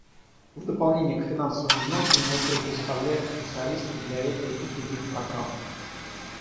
В дополнение к финансовым взносам мы предоставляем специалистов для этой и других программ.